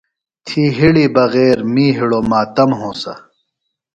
تھی ہِڑی بغیر می ہِڑوۡ ماتم ہونسہ۔